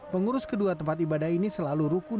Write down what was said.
pengurus kedua tempat ibadah ini selalu rukun